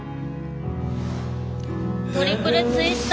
トリプルツイスト。